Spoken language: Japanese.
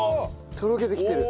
とろけてきてる。